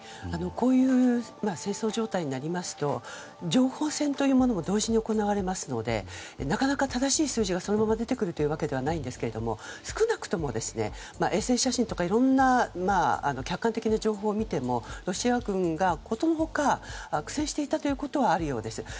こういう戦争状態になりますと、情報戦というものも同時に行われますのでなかなか正しい数字がそのまま出てくるわけではないですが少なくとも衛星写真とかいろいろな客観的な情報を見てもロシア軍がことのほか苦戦していたということはあるようです。